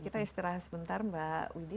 kita istirahat sebentar mbak widi